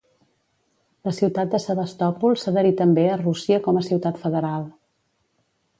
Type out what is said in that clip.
La ciutat de Sebastòpol s'adherí també a Rússia com a Ciutat Federal.